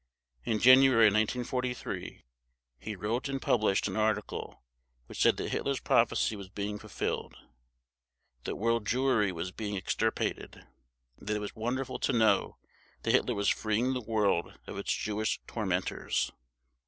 In January 1943 he wrote and published an article which said that Hitler's prophecy was being fulfilled, that world Jewry was being extirpated, and that it was wonderful to know that Hitler was freeing the world of its Jewish tormentors.